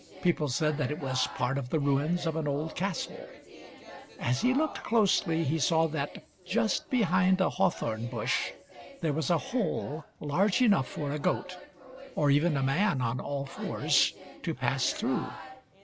People said that it was part of the ruins of an old castle. As he looked closely he saw that, just behind a hawthorn bush, there was a hole large enough for a goat, or even a man on all fours, to pass through.